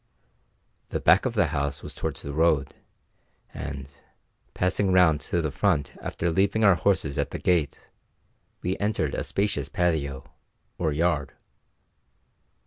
The back of the house was towards the road, and, passing round to the front after leaving our horses at the gate, we entered a spacious patio, or yard.